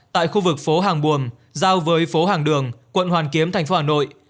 tại khu vực phố hàng buồm giao với phố hàng đường quận hoàn kiếm tp hà nội